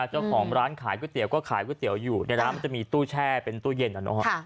เจ้าของร้านขายก๋วยเตี๋ยวก็ขายก๋วยเตี๋ยวอยู่ในร้านมันจะมีตู้แช่เป็นตู้เย็นนะครับ